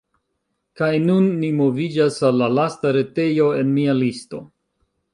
Kaj nun, ni moviĝas al la lasta retejo en mia listo.